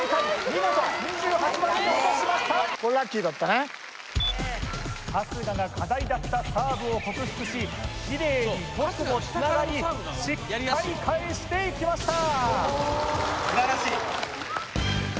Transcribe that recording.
見事春日が課題だったサーブを克服しキレイにトスもつながりしっかり返していきました